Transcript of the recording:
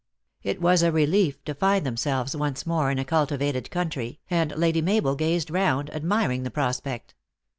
It was a relief to find themselves once more in a cultivated country, and Lady Mabel gazed round, ad miring the prospect.